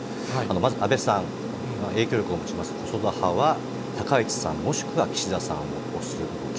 まず安倍さん、影響力を持ちます細田派は、高市さん、もしくは岸田さんを推す動き。